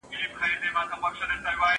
زه مخکي زده کړه کړي وو!!